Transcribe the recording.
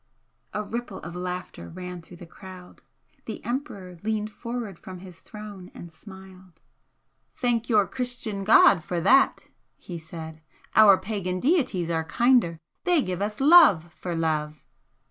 A ripple of laughter ran through the crowd. The Emperor leaned forward from his throne and smiled. "Thank your Christian God for that!" he said "Our pagan deities are kinder! They give us love for love!"